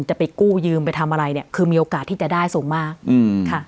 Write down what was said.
จะไปกู้ยืมไปทำอะไรเนี่ยคือมีโอกาสที่จะได้สูงมากอืมค่ะ